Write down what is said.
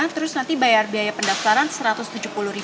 terus nanti bayar biaya pendaftaran rp satu ratus tujuh puluh